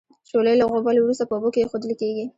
شولې له غوبل وروسته په اوبو کې اېښودل کیږي.